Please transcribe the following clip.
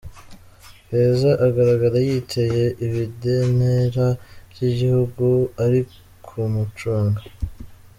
Keza agaragara yiteye ibidenera ry’igihugu ari ku mucanga.